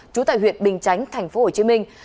trú tại huyện bình chánh thành phố hồ chí minh